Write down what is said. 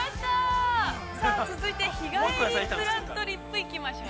さあ続いて「日帰りぷらっとりっぷ」行きましょう。